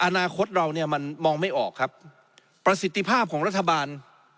อนาคตเราเนี่ยมันมองไม่ออกครับประสิทธิภาพของรัฐบาล